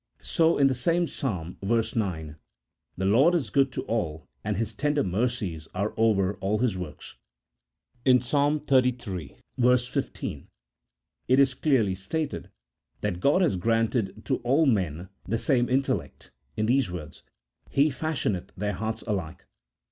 So in the same Psalm, verse 9, " The Lord is good to all, and His tender mercies are over all His works." In Ps. xxxiii. 15, it is clearly stated that God has granted to all men the same intellect, in these words, " He f ashioneth. their hearts alike."